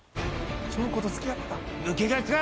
翔子と付き合ってた。